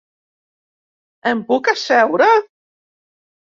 Em puc asseure?